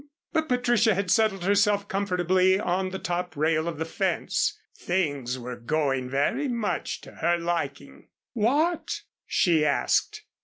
But Patricia had settled herself comfortably on the top rail of the fence. Things were going very much to her liking. "What?" she asked.